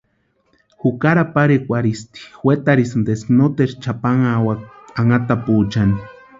Jukari aparhikwarhisinti, wetarhisïnti eska noteru chʼapanhawaka anhatapuechani.